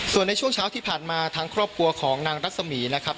ส่วนในช่วงเช้าที่ผ่านมาทางครอบครัวของนางรัศมีนะครับ